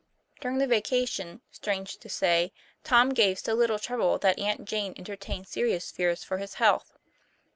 During the vacation, strange to say, Tom gave so little trouble that Aunt Jane entertained serious fears for his health.